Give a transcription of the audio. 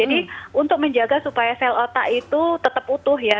jadi untuk menjaga supaya sel otak itu tetap utuh ya